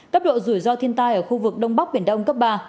cấp độ rủi ro thiên tai ở khu vực đông bắc biển đông cấp ba